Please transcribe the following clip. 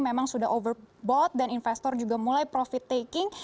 memang sudah overboard dan investor juga mulai profit taking